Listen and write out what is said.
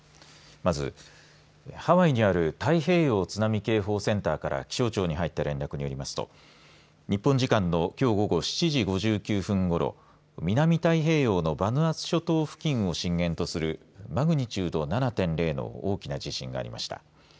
まずハワイにある太平洋津波警報センターから気象庁に入った情報によりますと日本時間の午後７時５８分ごろ南太平洋のバヌアツ諸島付近を震源とするマグニチュード７．０の大きな地震がありました。